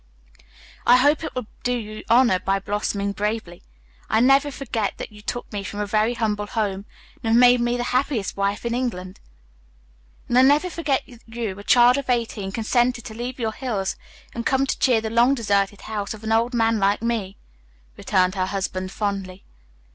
"I hope it will do you honor by blossoming bravely. I never forget that you took me from a very humble home, and have made me the happiest wife in England." "And I never forget that you, a girl of eighteen, consented to leave your hills and come to cheer the long deserted house of an old man like me," returned her husband fondly.